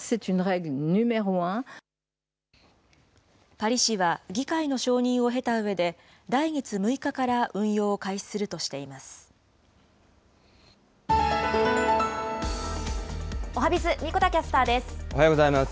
パリ市は議会の承認を経たうえで、来月６日から運用を開始すおはＢｉｚ、おはようございます。